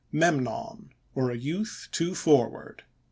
—MEMNON, OR A YOUTH TOO FORWARD.